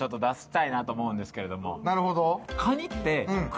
なるほど。